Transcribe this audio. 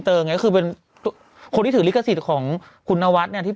แต่อิงฟ้าต้องไปประกวดระดับโลกที่